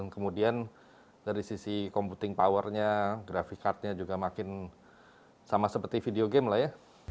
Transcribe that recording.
kemudian dari sisi computing powernya graficartnya juga makin sama seperti video game lah ya